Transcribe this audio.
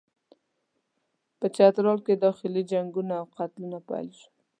په چترال کې داخلي جنګونه او قتلونه پیل شول.